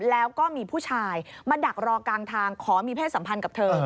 แล้วก็มีผู้ชายมาดักรอกลางทางขอมีเพศสัมพันธ์กับเธอ